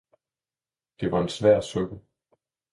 »Det var en svær Suppe!